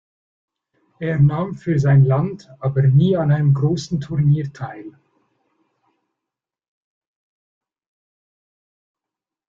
Er nahm für sein Land aber nie an einem großen Turnier teil.